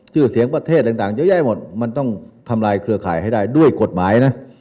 ชื่อเสียงประเทศต่างเยอะแยะหมดมันต้องทำลายเครือข่ายให้ได้ด้วยกฎหมายนะ